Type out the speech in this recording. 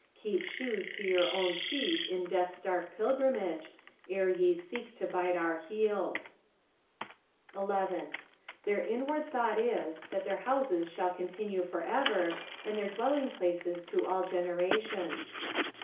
Keep shoes to yuur own feet In death's dark pilgrimage, ere ye seek to bite our heels. 11. " Thtir weard thought it, that their hou»e» thdll otmtinua for eter, and their daelliaff place* to all ffenerationM."